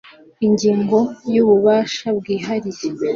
ingingo ya ububasha bwihariye